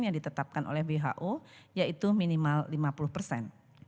yang ditetapkan oleh who yaitu minimal lima puluh persen